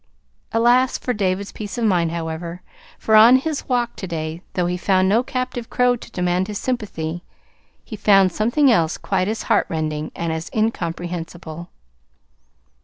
Alas, for David's peace of mind, however; for on his walk to day, though he found no captive crow to demand his sympathy, he found something else quite as heartrending, and as incomprehensible.